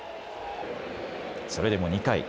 それでも２回。